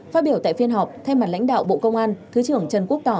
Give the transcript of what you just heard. phát biểu tại phiên họp thay mặt lãnh đạo bộ công an thứ trưởng trần quốc tỏ